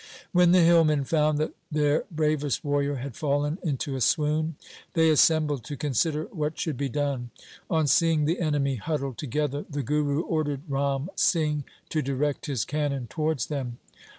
When the hillmen found that their bravest warrior had fallen into a swoon, they assembled to consider what should be done. On seeing the enemy huddled together, the Guru ordered Ram Singh to direct his cannon towards them.